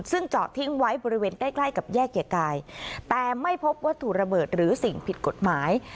ซึ่งเจาะทิ้งไว้บริเวณใกล้ใกล้กับแยกเกียรติกายแต่ไม่พบวัตถุระเบิดหรือสิ่งผิดกฎหมาย